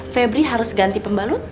febri harus ganti pembalut